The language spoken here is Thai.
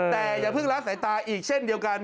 แต่อย่าเพิ่งละสายตาอีกเช่นเดียวกัน